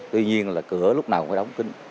tuy nhiên là cửa lúc nào cũng phải đóng kính